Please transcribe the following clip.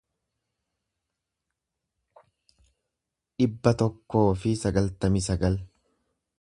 dhibba tokkoo fi sagaltamii sagal